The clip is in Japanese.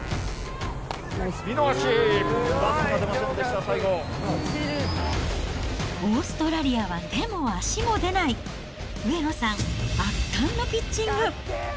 見逃し、バットが出ませんでしたオーストラリアは手も足も出ない、上野さん、圧巻のピッチング。